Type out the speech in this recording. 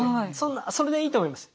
それでいいと思います。